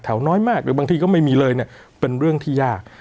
น้อยมากหรือบางทีก็ไม่มีเลยเนี่ยเป็นเรื่องที่ยาก